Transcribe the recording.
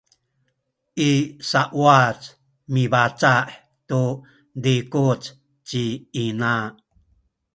i sauwac mibaca’ tu zikuc ci ina